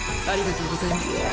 ありがとうございます。